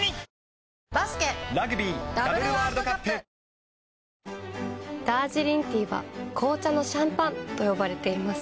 水遊びが好きで、ダージリンティーは紅茶のシャンパンと呼ばれています。